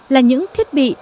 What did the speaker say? là những thiết bị